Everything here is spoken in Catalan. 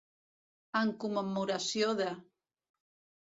En commemoració de.